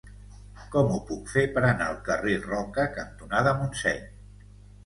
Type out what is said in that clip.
Com ho puc fer per anar al carrer Roca cantonada Montseny?